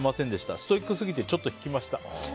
ストイックすぎてちょっと引きました。